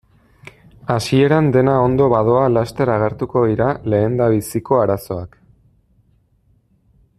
Hasieran dena ondo badoa laster agertuko dira lehendabiziko arazoak...